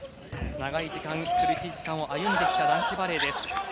長い時間苦しい時間を歩んできた男子バレーです。